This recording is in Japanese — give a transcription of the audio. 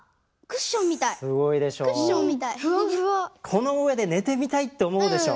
この上で寝てみたいって思うでしょ？